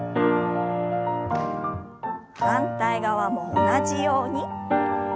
反対側も同じように。